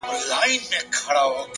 هر منزل له لومړي قدم پیلېږي.!